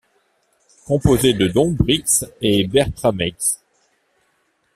Composée de Domprix et Bertrameix.